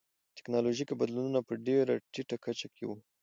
ټکنالوژیکي بدلونونه په ډېره ټیټه کچه کې و